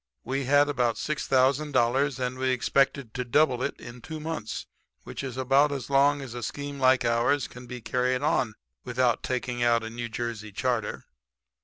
We had about $6,000 and we expected to double it in two months, which is about as long as a scheme like ours can be carried on without taking out a New Jersey charter.